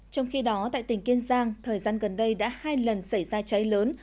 trong khi đó tại tỉnh kiên giang thời gian gần đây đã hai lần xảy ra cháy lớn